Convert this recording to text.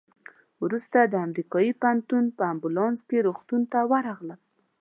وروسته د امریکایي روغتون په امبولانس کې روغتون ته ورغلم.